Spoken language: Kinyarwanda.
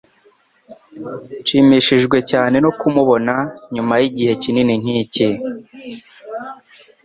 Nshimishijwe cyane no kumubona nyuma yigihe kinini nkiki.